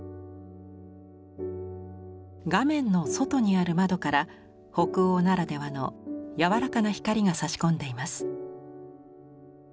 画面の外にある窓から北欧ならではの柔らかな光がさし込んでいます。